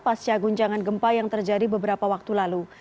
pasca guncangan gempa yang terjadi beberapa waktu lalu